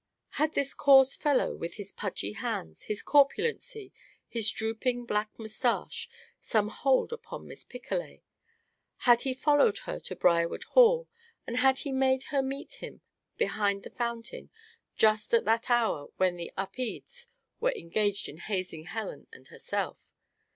Had this coarse fellow, with his pudgy hands, his corpulency, his drooping black mustache, some hold upon Miss Picolet? Had he followed her to Briarwood Hall, and had he made her meet him behind the fountain just at that hour when the Upedes were engaged in hazing Helen and herself?